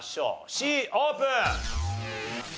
Ｃオープン！